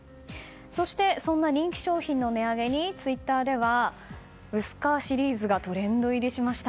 そしてそんな人気商品の値上げにツイッターでは、薄皮シリーズがトレンド入りしました。